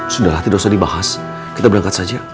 sudahlah tidak usah dibahas kita berangkat saja